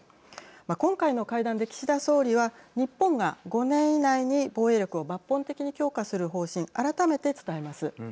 今回の会談で岸田総理は日本が５年以内に防衛力を抜本的に強化する方針改めて伝えます。